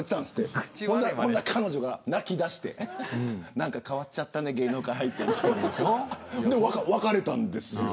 そしたら、彼女が泣きだして何か変わっちゃったね芸能界入ってって言って別れたんですよ。